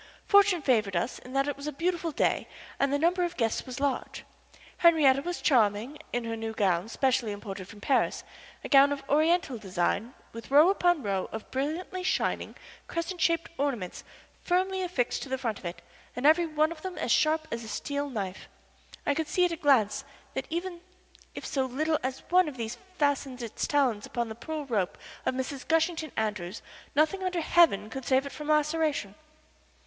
Fortune favored us in that it was a beautiful day and the number of guests was large. Henriette was charming in her new gown specially imported from Paris a gown of Oriental design with row upon row of brilliantly shining, crescent shaped ornaments firmly affixed to the front of it and every one of them as sharp as a steel knife. I could see at a glance that even if so little as one of these fastened its talons upon the pearl rope of Mrs. Gushington Andrews nothing under heaven could save it from laceration.